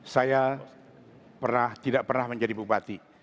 saya tidak pernah menjadi bupati